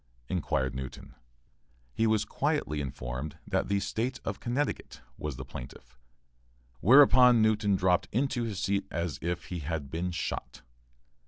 inquired Newton. He was quietly informed that the State of Connecticut was the plaintiff, whereupon Newton dropped into his seat as if he had been shot.